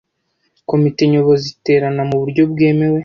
Komite Nyobozi iterana mu buryo bwemewe